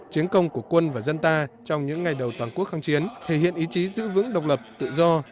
chiến công của quân và dân ta trong những ngày đầu toàn quốc kháng chiến thể hiện ý chí giữ vững độc lập tự do